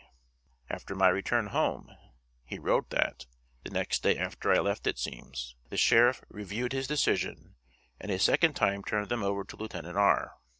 After my return home, he wrote that (the next day after I left it seems) the Sheriff reviewed his decision, and a second time turned them over to Lieutenant R.